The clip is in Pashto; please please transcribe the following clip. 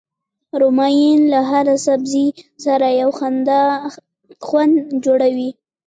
رومیان له هر سبزي سره یو خوند جوړوي